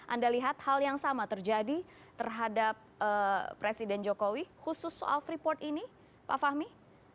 anda lihat hal yang sama terjadi terhadap presiden jokowi khusus soal freeport ini pak fahmi